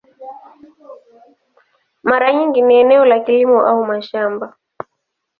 Mara nyingi ni eneo la kilimo au mashamba.